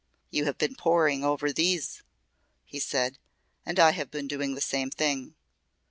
"You have been poring over these," he said, "and I have been doing the same thing.